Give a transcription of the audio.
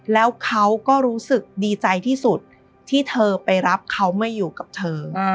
แล้วเขาก็รู้สึกดีใจที่สุดที่เธอไปรับเขามาอยู่กับเธอ